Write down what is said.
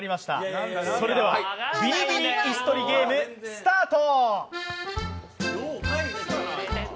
それでは「ビリビリイス取りゲーム」スタート。